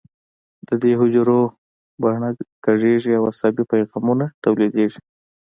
د دې حجرو باڼه کږېږي او عصبي پیغامونه تولیدېږي.